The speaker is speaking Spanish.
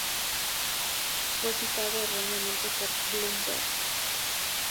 Fue citado erróneamente por Bloomberg.